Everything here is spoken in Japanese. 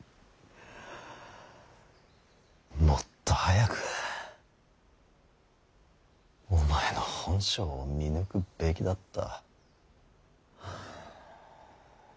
もっと早くお前の本性を見抜くべきだった。